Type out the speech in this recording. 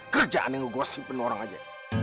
kerjaan yang gue simpen orang aja